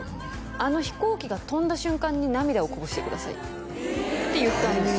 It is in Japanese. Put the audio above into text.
「あの飛行機が飛んだ瞬間に涙をこぼしてください」って言ったんですよ